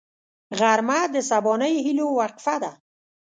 غرمه د سبانۍ هيلو وقفه ده